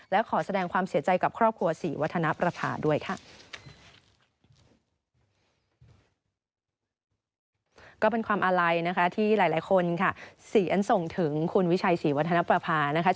และขอแสดงความเสียใจกับครอบครัวศรีวัฒนประภาด้วยค่ะ